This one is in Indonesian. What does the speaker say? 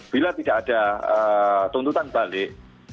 bila tidak ada tuntutan balik